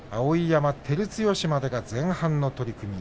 碧山、照強までが前半の取組。